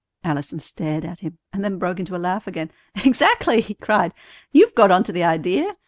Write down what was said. Allison stared at him, and then broke into a laugh again. "Exactly," he cried; "you've got onto the idea.